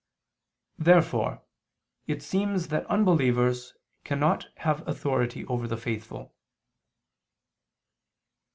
Therefore it seems that unbelievers cannot have authority over the faithful.